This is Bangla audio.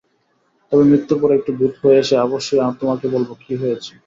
তবে, মৃত্যুর পরে একটি ভূত হয়ে এসে অবশ্যই তোমাকে বলবো কি হয়েছে।